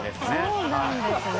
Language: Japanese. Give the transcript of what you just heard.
そうなんですね。